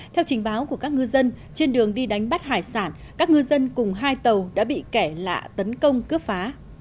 theo trình báo của các ngư dân trên đường đi đánh bắt hải sản các ngư dân cùng hai tàu đã bị kẻ lạ tấn công cướp phá